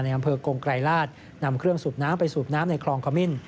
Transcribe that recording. อำเภอกงไกรราชนำเครื่องสูบน้ำไปสูบน้ำในคลองขมิ้น